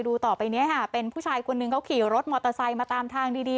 ต่อไปนี้ค่ะเป็นผู้ชายคนหนึ่งเขาขี่รถมอเตอร์ไซค์มาตามทางดีดี